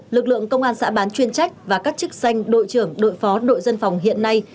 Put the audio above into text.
lực lượng công an xã bán chuyên trách và các chức danh đội trưởng đội phó đội dân phòng hiện nay